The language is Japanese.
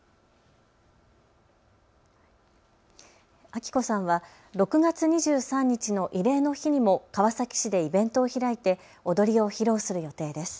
明子さんは６月２３日の慰霊の日にも川崎市でイベントを開いて踊りを披露する予定です。